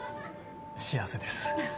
幸せです。